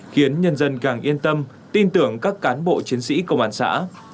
khiến nhân dân càng yên tâm tin tưởng các cán bộ chiến sĩ công an xã